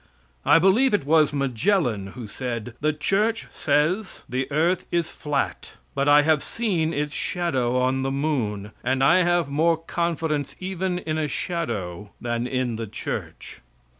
I believe it was Magellan who said, "the church says the earth is flat; but I have seen its shadow on the moon, and I have more confidence even in a shadow than in the church."